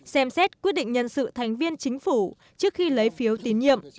xem xét quyết định nhân sự thành viên chính phủ trước khi lấy phiếu tín nhiệm